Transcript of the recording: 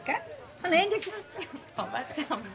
おばちゃん。